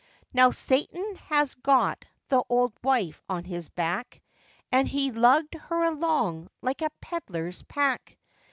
Now Satan has got the old wife on his back, And he lugged her along, like a pedlar's pack.